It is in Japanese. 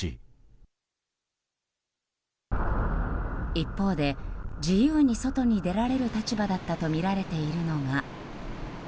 一方で、自由に外に出られる立場だったとみられているのが。